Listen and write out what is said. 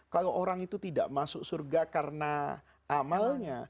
kalau orang itu tidak masuk surga karena amalnya